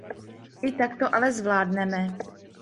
I tak to ale zvládneme.